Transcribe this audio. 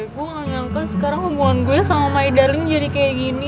gue gak nyangka sekarang hubungan gue sama my darling jadi kayak gini